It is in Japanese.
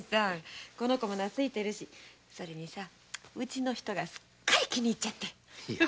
この子もなついているしうちの人がすっかり気に入っちゃって。